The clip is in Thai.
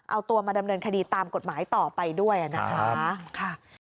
เอาตัวมาดำเนินคดีตามกฎหมายต่อไปด้วยนะคะ